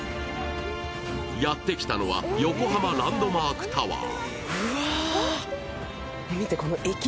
やってきたのは、横浜ランドマークタワー。